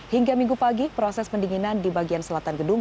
hingga minggu pagi proses pendinginan di bagian selatan gedung